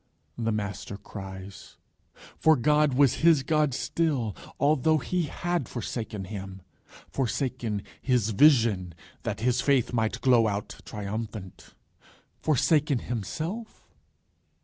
the Master cries. For God was his God still, although he had forsaken him forsaken his vision that his faith might glow out triumphant; forsaken himself?